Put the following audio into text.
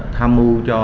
tham mưu cho